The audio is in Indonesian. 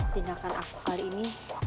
tindakan aku kali ini